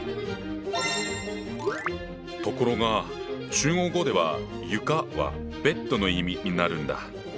ところが中国語では「床」は「ベッド」の意味になるんだ。